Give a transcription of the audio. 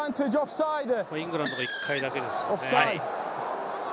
イングランドは１回だけですけれどもね。